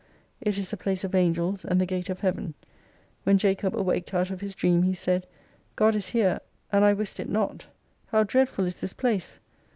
It is the place of Angels, and the Gate of Heaven. When Jacob awaked out of his dream, he said, God is here^ and I wist it not. How dreadful is this place!